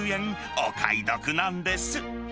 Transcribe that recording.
お買い得なんです。